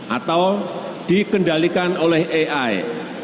atau dikendalikan oleh ai